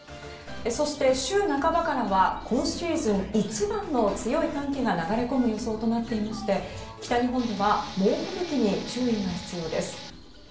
そして、週半ばからは今シーズン一番の強い寒気が流れ込む予想となっていまして北日本では猛吹雪に注意が必要です。